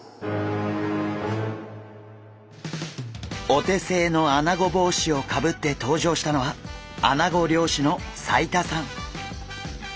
お手製のアナゴ帽子をかぶって登場したのはアナゴ漁師の齋田さん。